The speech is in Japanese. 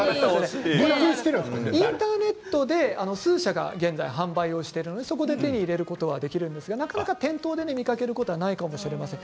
インターネットで数社が現在販売しているのでそこで手に入れることができるんですが、なかなか店頭で見かけることはないかもしれません。